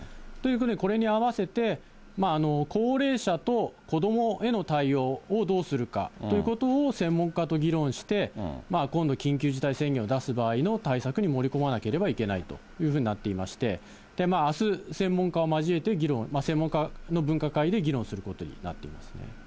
ということで、これに合わせて、高齢者と子どもへの対応をどうするかということを専門家と議論して、今度、緊急事態宣言を出す場合の対策に盛り込まなければいけないというふうになっていまして、あす、専門家を交えて議論、専門家の分科会で議論することになっていますね。